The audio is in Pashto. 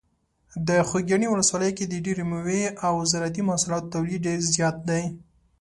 د خوږیاڼي ولسوالۍ کې د ډیری مېوې او زراعتي محصولاتو تولید ډیر زیات دی.